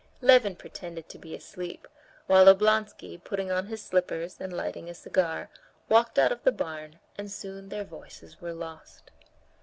Levin pretended to be asleep, while Oblonsky, putting on his slippers, and lighting a cigar, walked out of the barn, and soon their voices were lost.